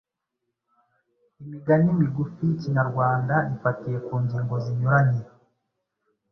Imigani migufi y’Ikinyarwanda ifatiye ku ngingo zinyuranye